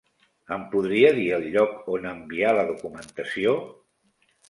Em podria dir el lloc on enviar la documentació?